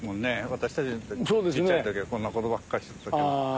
私たちん時小っちゃい時はこんなことばっかしとったけど。